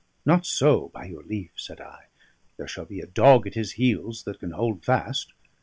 "Not so, by your leave," said I. "There shall be a dog at his heels that can hold fast.